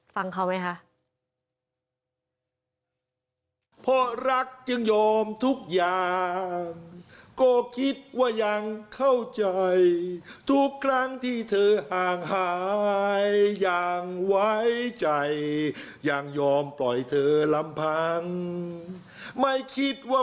ฟังเขาไหมคะ